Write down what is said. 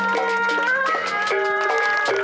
maafkan teteh ya